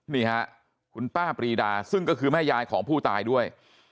นี่ค่ะคุณป้าปรีดาซึ่งก็คือแม่ยายของผู้ตายด้วย